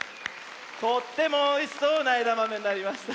とってもおいしそうなえだまめになりました。